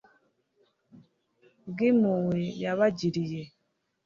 bw'impuhwe yabagiriye